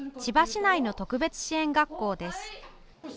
千葉市内の特別支援学校です。